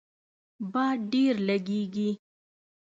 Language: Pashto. باد ډیر لږیږي